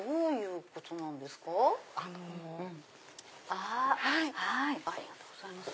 ありがとうございます。